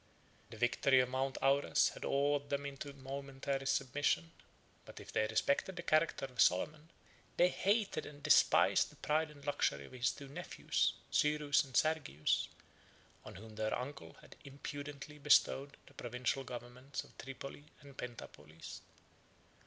The victory of Mount Auras had awed them into momentary submission; but if they respected the character of Solomon, they hated and despised the pride and luxury of his two nephews, Cyrus and Sergius, on whom their uncle had imprudently bestowed the provincial governments of Tripoli and Pentapolis.